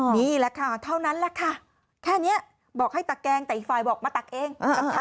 นี่แหละค่ะเท่านั้นแหละค่ะแค่นี้บอกให้ตักแกงแต่อีกฝ่ายบอกมาตักเอง